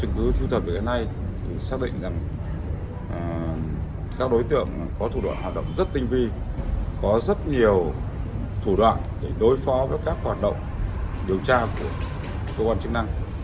các đối tượng có thủ đoạn hoạt động rất tinh vi có rất nhiều thủ đoạn để đối phó với các hoạt động điều tra của cơ quan chức năng